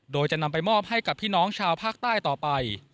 โดยจะนำไปมอบให้กับพี่น้องชาวภาคใต้ต่อไป